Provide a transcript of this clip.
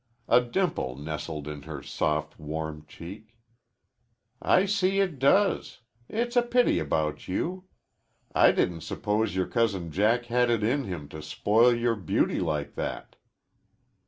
A dimple nestled in her soft, warm cheek. "I see it does. It's a pity about you. I didn't suppose your cousin Jack had it in him to spoil your beauty like that."